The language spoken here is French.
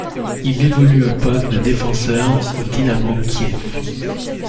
Il évolue au poste de défenseur au Dynamo Kiev.